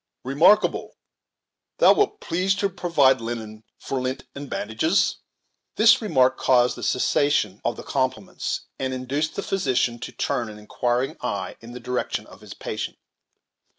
Remarkable, thou wilt please to provide linen for lint and bandages." This remark caused a cessation of the compliments, and induced the physician to turn an inquiring eye in the direction of his patient.